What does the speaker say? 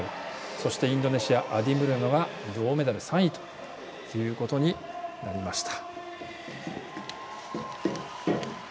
そして、インドネシアアディムリョノが銅メダル３位ということになりました。